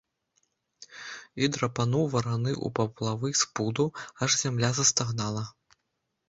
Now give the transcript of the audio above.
І драпануў вараны ў паплавы з пуду, аж зямля застагнала.